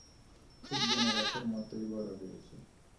ঠিক বুনো গাছের মতোই বড়ো হয়েছে।